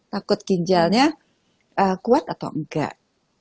takut ginjalnya kuat atau enggak